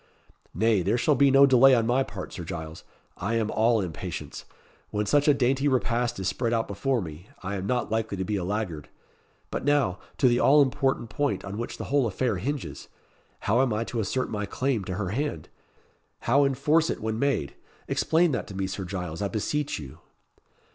"Nay, there shall be no delay on my part, Sir Giles. I am all impatience. When such a dainty repast is spread out before me, I am not likely to be a laggard. But now, to the all important point on which the whole affair hinges! How am I to assert my claim to her hand how enforce it when made? Explain that to me, Sir Giles, I beseech you."